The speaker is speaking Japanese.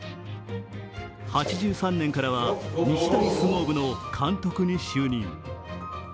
８３年からは日大相撲部の監督に就任。